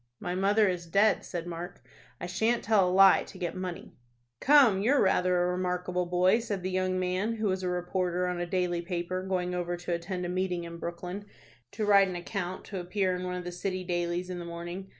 "My mother is dead," said Mark; "I shan't tell a lie to get money." "Come, you're rather a remarkable boy," said the young man, who was a reporter on a daily paper, going over to attend a meeting in Brooklyn, to write an account of it to appear in one of the city dailies in the morning.